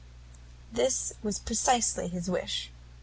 This was precisely his wish.